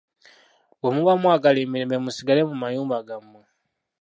Bwe muba mwagala emirembe musigale mu mayumba gammwe.